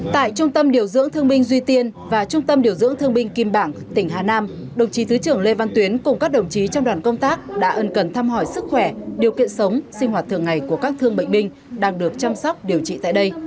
tại trung tâm điều dưỡng thương binh duy tiên và trung tâm điều dưỡng thương binh kim bảng tỉnh hà nam đồng chí thứ trưởng lê văn tuyến cùng các đồng chí trong đoàn công tác đã ẩn cần thăm hỏi sức khỏe điều kiện sống sinh hoạt thường ngày của các thương bệnh binh đang được chăm sóc điều trị tại đây